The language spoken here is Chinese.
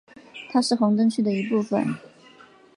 它是红灯区的一部分。